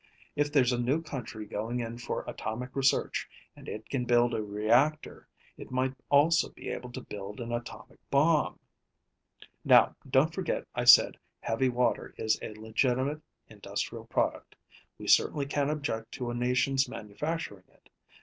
If there's a new country going in for atomic research, and it can build a reactor, it might also be able to build an atomic bomb. Now, don't forget I said heavy water is a legitimate industrial product. We certainly can't object to a nation's manufacturing it.